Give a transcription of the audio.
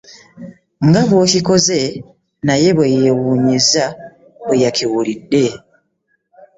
Nga bw'okikoze, naye bwe yeewuunyizza bweyakiwulidde